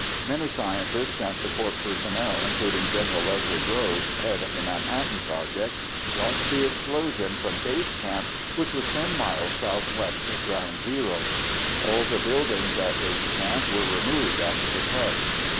Many scientists and support personnel, including Gen. Leslie Groves, head of the Manhattan Project, watched the explosion from base camp which was ten miles southwest of ground zero. All the buildings at base camp were removed after the test.